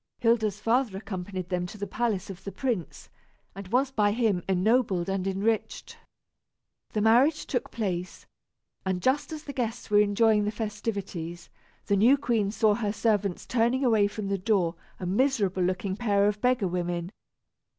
Hilda's father accompanied them to the palace of the prince, and was by him ennobled and enriched. The marriage took place, and just as the guests were enjoying the festivities, the new queen saw her servants turning away from the door a miserable looking pair of beggar women.